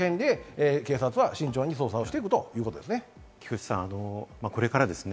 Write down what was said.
そしてお父さんの件で警察は慎重に捜査をしていくということですね。